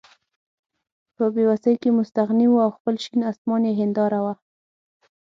په بې وسۍ کې مستغني وو او خپل شین اسمان یې هېنداره وه.